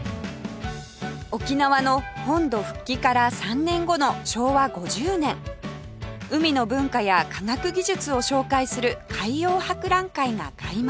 沖縄の本土復帰から３年後の昭和５０年海の文化や科学技術を紹介する海洋博覧会が開幕